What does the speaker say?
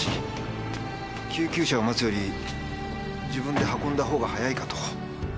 救急車を待つより自分で運んだ方が早いかと。